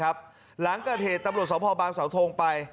ครับหลังกัดเหตุตอบรวมสาวพอล์บางสาวทงไป